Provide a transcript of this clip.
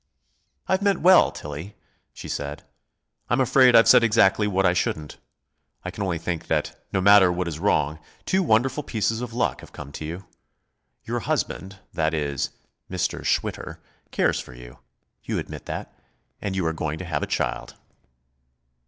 "I've meant well, Tillie," she said. "I'm afraid I've said exactly what I shouldn't. I can only think that, no matter what is wrong, two wonderful pieces of luck have come to you. Your husband that is, Mr. Schwitter cares for you, you admit that, and you are going to have a child."